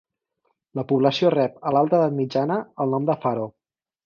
La població rep a l'alta edat mitjana el nom de Faro.